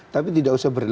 tapi tidak usah berlebihan